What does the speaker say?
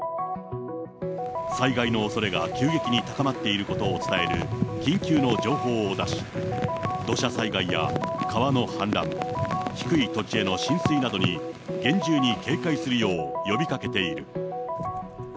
災害のおそれが急激に高まっていることを伝える緊急の情報を出し、土砂災害や川の氾濫、低い土地への浸水などに厳重に警戒するよう呼びかけている。